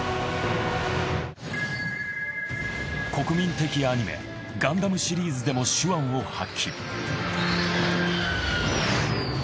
国民的アニメガンダムシリーズでも手腕を発揮。